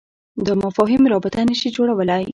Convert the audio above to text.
دا مفاهیم رابطه نه شي جوړولای.